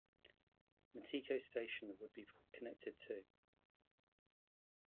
Matiko Station would be connected too.